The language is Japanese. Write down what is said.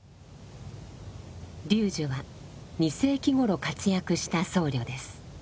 龍樹は２世紀頃活躍した僧侶です。